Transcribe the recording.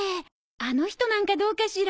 あの人なんかどうかしら？